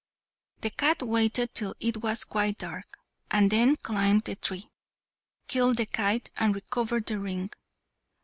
The cat waited till it was quite dark, and then climbed the tree, killed the kite, and recovered the ring.